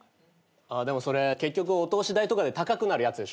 でもそれ結局お通し代とかで高くなるやつでしょ？